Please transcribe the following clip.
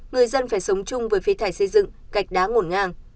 người dân phải sống chung với phi thải xây dựng gạch đá ngổn ngang